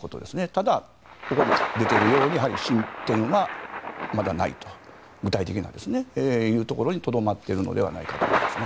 ただ、ここに出ているように具体的な進展はまだないというところにとどまっているのではないかということです。